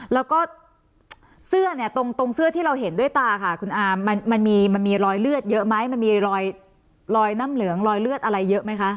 แล้วก็เสื้อเนี่ยตรงเสื้อที่เราเห็นด้วยตาค่ะคุณอามมันมีรอยเลือดเยอะไหมมันมีรอยน้ำเหลืองรอยเลือดอะไรเยอะไหมคะ